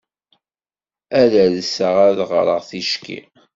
Ad alseɣ ad d-ɣreɣ ticki.